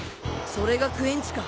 それがクエンチか。